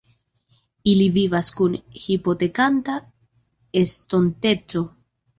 Ili vivas kun hipotekanta estonteco.